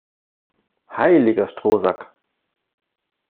Heiliger Strohsack!